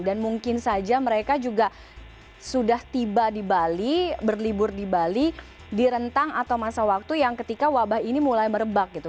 dan mungkin saja mereka juga sudah tiba di bali berlibur di bali di rentang atau masa waktu yang ketika wabah ini mulai merebak